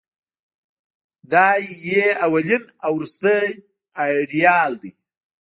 دای یې اولین او وروستۍ ایډیال دی.